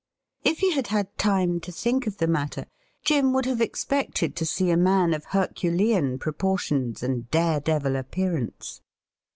If he had bad time to think of the matter, Jim would have expected to see a man of Herculean proportions and dare devil appearance.